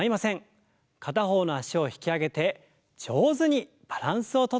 片方の脚を引き上げて上手にバランスをとっていきましょう。